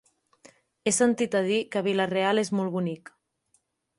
He sentit a dir que Vila-real és molt bonic.